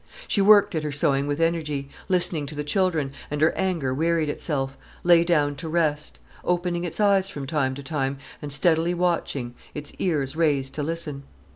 She worked at her sewing with energy, listening to the children, and her anger wearied itself, lay down to rest, opening its eyes from time to time and steadily watching, its ears raised to listen.